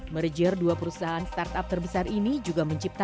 merger dua perusahaan startup terbesar ini juga menciptakan